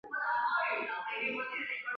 现时陈为纽约市联合会的成员之一。